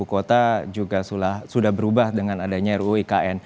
kota juga sudah berubah dengan adanya ruikn